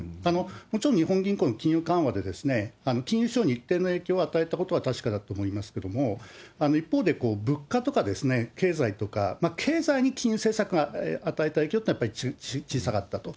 もちろん日本銀行の金融緩和で金融市場に一定の影響を与えたことは確かだと思いますけれども、一方で物価とか経済とか、経済に金融政策が与えた影響ってのはやっぱり小さかったと。